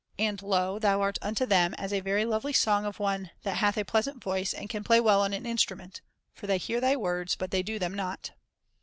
And, lo, thou art unto them as a very Usa. ,|i : ij. 26o Character Building lovely song of one that hath a pleasant voice, and can play well on an instrument; for they hear thy words; but they do them not."